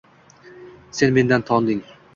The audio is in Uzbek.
Sen mendan tonding!